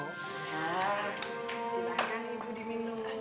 silakan ibu dipinum